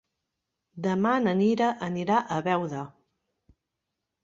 Demà na Mira anirà a Beuda.